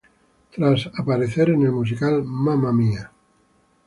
Tras aparecer en el musical "Mamma Mia!